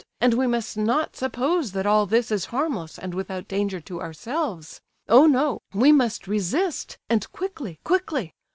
And we must not suppose that all this is harmless and without danger to ourselves. Oh, no; we must resist, and quickly, quickly!